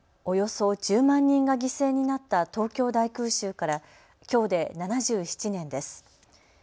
およそ１０万人が犠牲になった東京大空襲からきょうで７７年です。